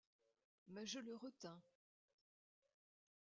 Mais je le retins.